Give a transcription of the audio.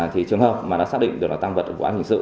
thì trường hợp mà đã xác định được là tăng vật của quán hình sự